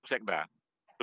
bisa kamu dengar suara dari